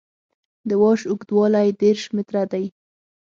د واش اوږدوالی دېرش متره دی